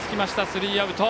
スリーアウト。